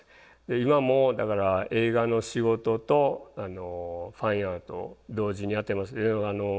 今もだから映画の仕事とファインアート同時にやってます。